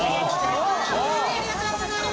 ありがとうございます。